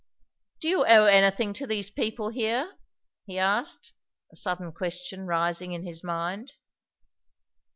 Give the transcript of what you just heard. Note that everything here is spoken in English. "Do you owe anything to these people here?" he asked, a sudden question rising in his mind.